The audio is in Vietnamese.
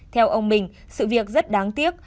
theo ông bình sự việc rất đáng tiếc